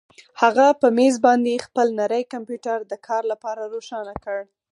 هغه په مېز باندې خپل نری کمپیوټر د کار لپاره روښانه کړ.